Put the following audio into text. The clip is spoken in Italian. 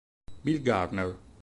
Bill Garner